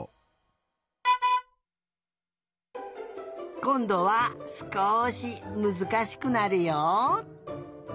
こんどはすこしむずかしくなるよ。